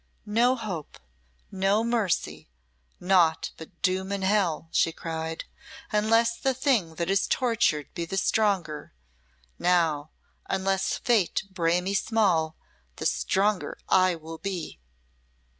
"No hope no mercy naught but doom and hell," she cried, "unless the thing that is tortured be the stronger. Now unless Fate bray me small the stronger I will be!"